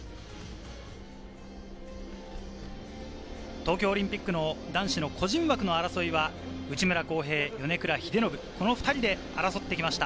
東京オリンピックの男子の個人枠の争いは内村航平、米倉英信、この２人で争ってきました。